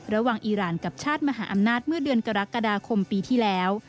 อีรานกับชาติมหาอำนาจเมื่อเดือนกรกฎาคมปีที่แล้ว